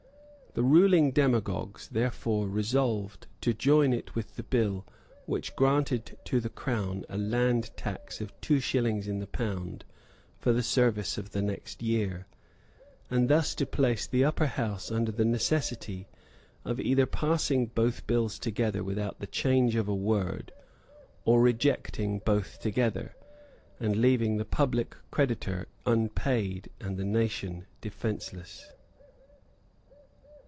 The ruling demagogues, therefore, resolved to join it with the bill which granted to the Crown a land tax of two shillings in the pound for the service of the next year, and thus to place the Upper House under the necessity of either passing both bills together without the change of a word, or rejecting both together, and leaving the public creditor unpaid and the nation defenceless.